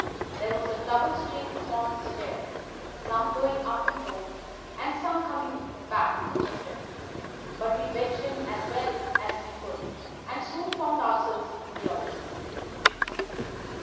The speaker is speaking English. There was a double stream upon the stair, some going up in hope, and some coming back dejected; but we wedged in as well as we could and soon found ourselves in the office."